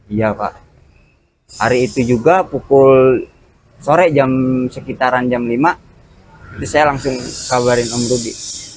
iya pak hari itu juga pukul sore jam sekitaran jam lima itu saya langsung kabarin om rubi